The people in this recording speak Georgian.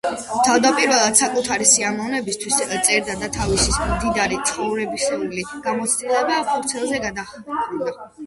თავდაპირველად საკუთარი სიამოვნებისთვის წერდა და თავისი მდიდარი ცხოვრებისეული გამოცდილება ფურცელზე გადაჰქონდა.